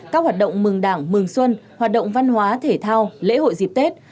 các hoạt động mừng đảng mừng xuân hoạt động văn hóa thể thao lễ hội dịp tết